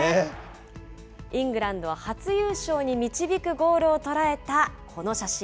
イングランドを初優勝に導くゴールを捉えたこの写真。